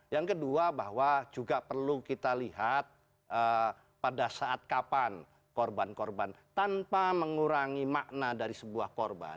yang kedua bahwa juga perlu kita lihat pada saat kapan korban korban tanpa mengurangi makna dari sebuah korban